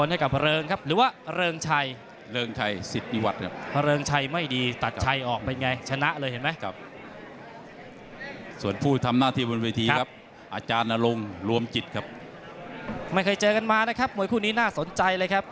มันจะติดไม่ติดไม่จะเตะไม่เตะแพงไม่เตะไม่รู้อะไร